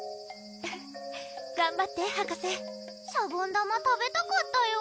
フフッがんばって博士シャボン玉食べたかったよ